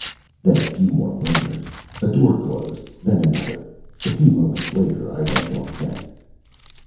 Then a few more murmurs, a door closed, then another. A few moments later I went on deck.